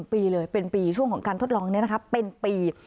ปีเลยเป็นปีช่วงของการทดลองนี้นะคะเป็นปี